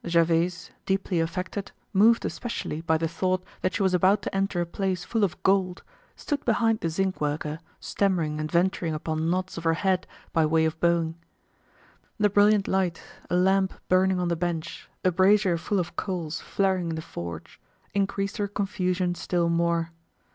Gervaise, deeply affected, moved especially by the thought that she was about to enter a place full of gold, stood behind the zinc worker, stammering and venturing upon nods of her head by way of bowing. The brilliant light, a lamp burning on the bench, a brazier full of coals flaring in the forge, increased her confusion still more.